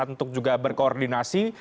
untuk juga berkoordinasi